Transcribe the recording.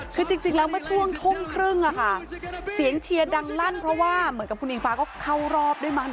คือจริงแล้วเมื่อช่วงทุ่มครึ่งเสียงเชียร์ดังลั่นเพราะว่าเหมือนกับคุณอิงฟ้าก็เข้ารอบด้วยมั้